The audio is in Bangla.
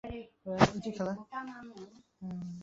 পৃথিবীতে স্বাগতম, ছেলে।